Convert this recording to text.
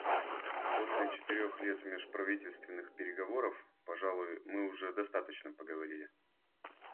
После четырех лет межправительственных переговоров, пожалуй, мы уже достаточно поговорили.